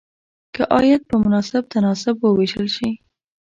که عاید په مناسب تناسب وویشل شي.